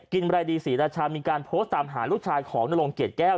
รายดีศรีราชามีการโพสต์ตามหาลูกชายของนรงเกียรติแก้ว